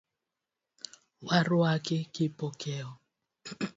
Waruaki Kipokeo.